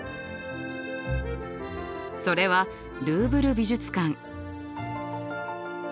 それはルーヴル美術館。